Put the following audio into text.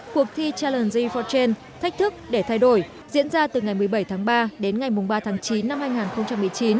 cuộc thi challengey forten thách thức để thay đổi diễn ra từ ngày một mươi bảy tháng ba đến ngày ba tháng chín năm hai nghìn một mươi chín